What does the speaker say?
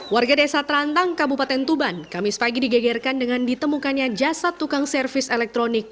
warga desa terantang kabupaten tuban kamis pagi digegerkan dengan ditemukannya jasad tukang servis elektronik